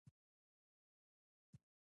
کارګر د کاري ځواک په پلورلو سره معاش ترلاسه کوي